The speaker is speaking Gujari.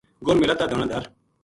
گل میرا تا دانا دھر